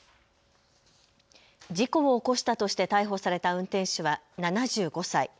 事故を起こしたとして逮捕された運転手は７５歳。